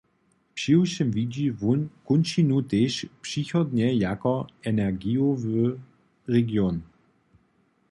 Přiwšěm widźi wón kónčinu tež přichodnje jako energijowy region.